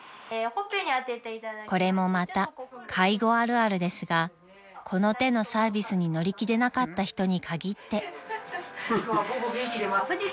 ［これもまた介護あるあるですがこの手のサービスに乗り気でなかった人に限って］